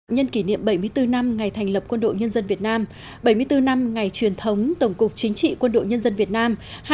nhân kỷ niệm bảy mươi bốn năm ngày thành lập quân đội nhân dân việt nam bảy mươi bốn năm ngày truyền thống tổng cục chính trị quân đội nhân dân việt nam